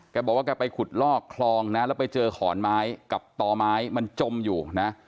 แกบอกว่าแกไปขุดลอกคลองนะแล้วไปเจอขอนไม้กับต่อไม้มันจมอยู่นะ